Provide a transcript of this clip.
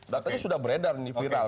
datanya sudah beredar nih viral